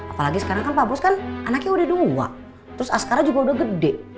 apalagi sekarang kan pak bus kan anaknya udah dua terus askara juga udah gede